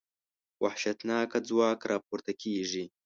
وحشتناکه ځواک راپورته کېږي.